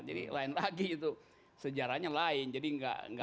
jadi lain lagi itu sejarahnya lain jadi gak pas